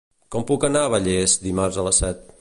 Com puc anar a Vallés dimarts a les set?